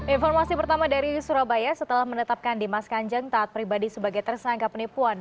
informasi pertama dari surabaya setelah menetapkan dimas kanjeng taat pribadi sebagai tersangka penipuan